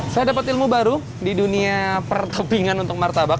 saya dapat ilmu baru di dunia perkepingan untuk martabak